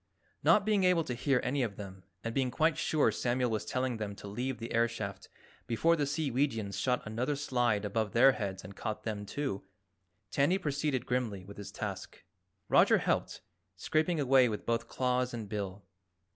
Not being able to hear any of them and being quite sure Samuel was telling them to leave the air shaft before the Seeweegians shot another slide above their heads and caught them, too, Tandy proceeded grimly with his task. Roger helped, scraping away with both claws and bill.